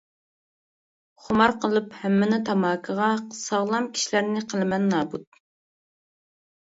خۇمار قىلىپ ھەممىنى تاماكىغا، ساغلام كىشىلەرنى قىلىمەن نابۇت.